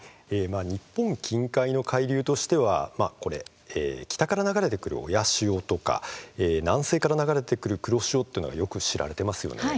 日本近海の海流としては北から流れてくる親潮とか南西から流れてくる黒潮っていうのがよく知られていますよね。